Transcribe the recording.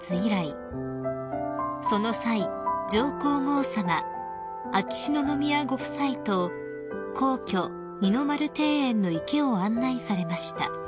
［その際上皇后さま秋篠宮ご夫妻と皇居二の丸庭園の池を案内されました］